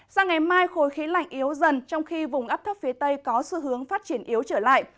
sang ngày mai khối khí lạnh yếu dần trong khi vùng ấp thấp phía tây có xu hướng phát triển yếu trở lại